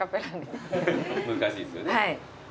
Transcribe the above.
難しいですよね。